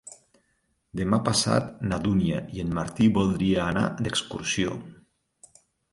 Demà passat na Dúnia i en Martí voldria anar d'excursió.